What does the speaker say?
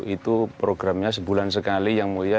itu programnya sebulan sekali yang mulia